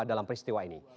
dalam peristiwa ini